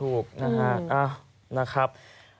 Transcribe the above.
ถูกนะครับ